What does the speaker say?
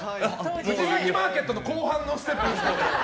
藤崎マーケットの後半のステップ。